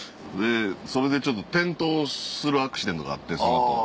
それでちょっと転倒するアクシデントがあってその後。